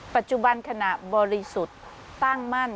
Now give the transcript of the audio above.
ปัจจุบันขณะบริสุทธิ์ตั้งมั่น